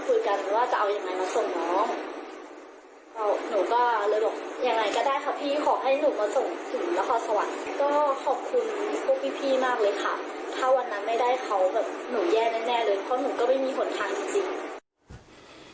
แล้วหนูก็เลยบอกอย่างไรก็ได้ค่ะพี่ขอให้หนูมาส่งหนูราคาสวรรค์ก็ขอบคุณพวกพี่มากเลยค่ะถ้าวันนั้นไม่ได้เขาหนูแย่แน่เลยเพราะหนูก็ไม่มีผลทางจริง